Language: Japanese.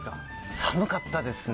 寒かったですね。